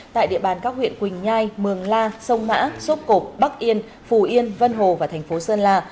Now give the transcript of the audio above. tại địa bàn các huyện quỳnh nhai mường la sông mã sốt cộp bắc yên phù yên vân hồ và thành phố sơn la